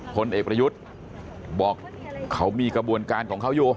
พลเอกประยุทธ์บอกเขามีกระบวนการของเขาอยู่